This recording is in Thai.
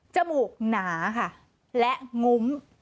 มูกหนาค่ะและงุ้ม